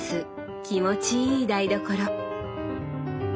気持ちいい台所。